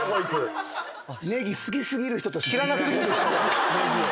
ネギ好き過ぎる人と知らな過ぎる人。